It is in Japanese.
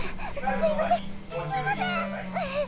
すいません。